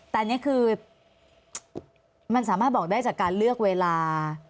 แต่อันนี้คือมันสามารถบอกได้จากการเลือกเวลา